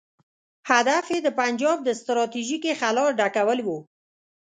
هدف یې د پنجاب د ستراتیژیکې خلا ډکول وو.